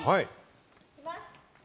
行きます！